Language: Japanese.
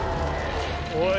おい